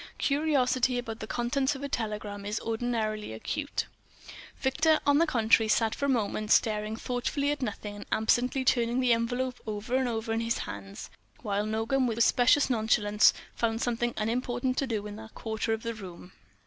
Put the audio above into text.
Curiosity about the contents of a telegram is ordinarily acute. Victor, on the contrary, sat for a long moment staring thoughtfully at nothing and absently turning the envelope over and over in his hands; while Nogam with specious nonchalance found something unimportant to do in another quarter of the room.